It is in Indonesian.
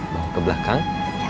bawa ke belakang